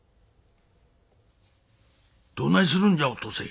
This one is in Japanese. どないするんじゃお登勢。